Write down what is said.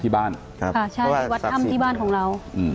ที่บ้านใช่วัดธรรมที่บ้านของเรา